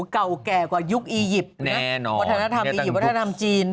เก่าแก่กว่ายุคอียิปต์นะวัฒนธรรมอียิปต์วัฒนธรรมจีน